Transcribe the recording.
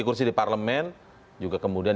kursi di parlemen juga kemudian